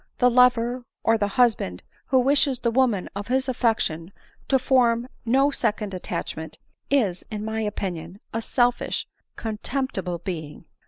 The lover, or the husband, who wishes the woman of his affection to form no second attachment, is, in my opin ion, a selfish, contemptible being.